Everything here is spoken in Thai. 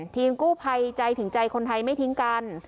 ทีมกู้ภัยใจถึงใจคนไทยไม่ทิ้งกัน